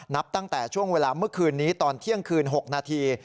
นับตั้งแต่ช่วงเวลาเมื่อคืนนี้ตอนเที่ยงคืน๖นาที